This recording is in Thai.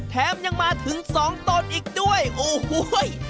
แถมยังมาถึงสองตนอีกด้วยโอ้โห